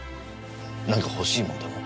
何か欲しいものでも？